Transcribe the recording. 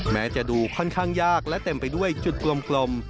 แม้จะดูค่อนข้างยากและเต็มไปด้วยจุดกลม